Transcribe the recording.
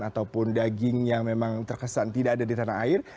ataupun daging yang memang terkesan tidak ada di tanah air